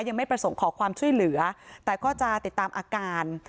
ยังไม่ประสงค์ขอความช่วยเหลือแต่ก็จะติดตามอาการ